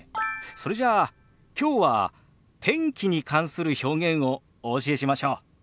それじゃあきょうは天気に関する表現をお教えしましょう。